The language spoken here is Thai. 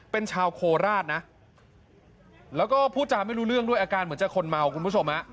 เป็นชาวโคราชนะแล้วก็พูดจาไม่รู้เรื่องด้วยอาการเหมือนจะคนเมาคุณผู้ชม